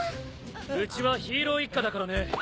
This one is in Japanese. うちはヒーロー一家だからね。